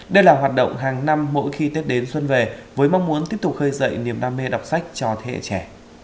đây là hoạt động hàng năm mỗi khi tết đến xuân về với mong muốn tiếp tục khơi dậy niềm đam mê đọc sách cho thế hệ trẻ